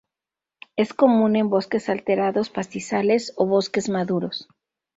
Es común en bosques alterados, pastizales o bosques maduros.